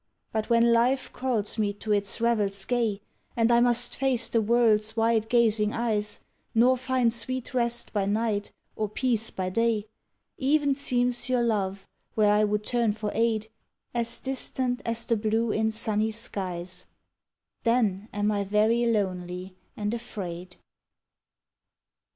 But when life calls me to its revels gay And I must face the world's wide gazing eyes Nor find sweet rest by night or peace by day, E'en seems your love, where I would turn for aid, As distant as the blue in sunny skies; Then am I very lonely and afraid.